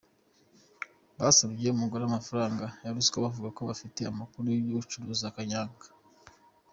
Basabye umugore amafaranga ya ruswa bavuga ko bafite amakuru ko acuruza kanyanga”.